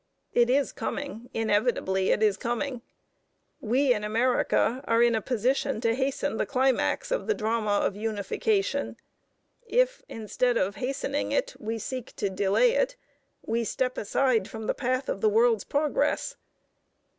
It is coming, inevitably it is coming. We in America are in a position to hasten the climax of the drama of unification. If, instead of hastening it, we seek to delay it, we step aside from the path of the world's progress.